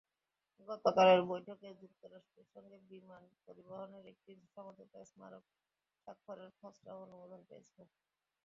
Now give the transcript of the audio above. গতকালের বৈঠকে যুক্তরাষ্ট্রের সঙ্গে বিমান পরিবহনে একটি সমঝোতা স্মারক স্বাক্ষরের খসড়াও অনুমোদন পেয়েছে।